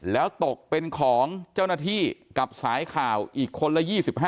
แล้วตกเป็นของเจ้าหน้าที่กับสายข่าวอีกคนละ๒๕